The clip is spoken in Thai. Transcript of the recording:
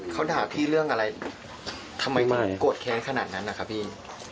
เขาถามพี่เรื่องอะไรทำไมกดแค้นขนาดนั้นอ่ะครับพี่